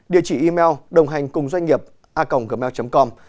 địa chỉ email đồnghànhcungdoanhnghiệp a gmail com